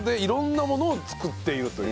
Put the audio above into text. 色んなものを作っているという。